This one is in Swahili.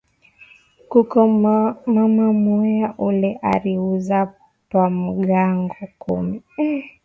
Kuko mama moya ule ari uza ma mpango kumi